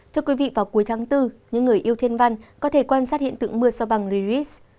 thưa quý vị vào cuối tháng bốn những người yêu thiên văn có thể quan sát hiện tượng mưa sao bằng liris